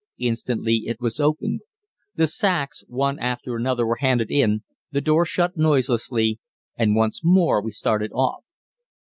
Instantly it was opened; the sacks, one after another, were handed in, the door shut noiselessly, and once more we started off.